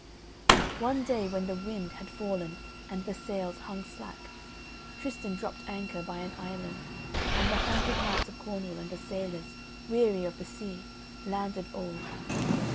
… One day when the wind had fallen and the sails hung slack Tristan dropped anchor by an Island and the hundred knights of Cornwall and the sailors, weary of the sea, landed all.